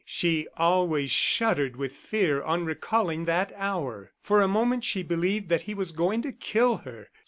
She always shuddered with fear on recalling that hour. For a moment she believed that he was going to kill her.